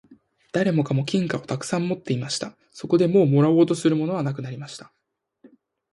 誰もかも金貨をたくさん貰って持っていました。そこでもう貰おうとするものはなくなりました。